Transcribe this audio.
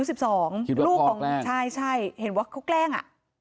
คิดว่าพ่อแกล้งใช่เห็นว่าเขาแกล้ง